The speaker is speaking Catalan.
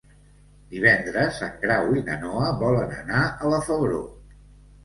Divendres en Grau i na Noa volen anar a la Febró.